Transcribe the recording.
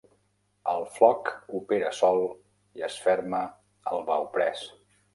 El floc opera sol i es ferma al bauprès.